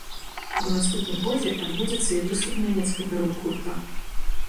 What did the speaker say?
А ў наступным годзе адбудзецца і выступ нямецкага рок-гурта.